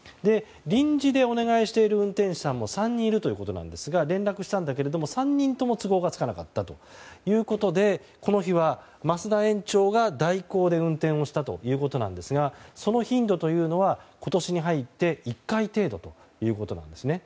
臨時でお願いしている運転手さんも３人いるということですが連絡したんだけれども３人とも都合がつかなかったということでこの日は、増田園長が代行で運転をしたということなんですがその頻度は今年に入って１回程度ということなんですね。